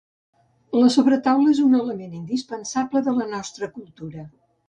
La sobretaula és un element indispensable de la nostra cultura.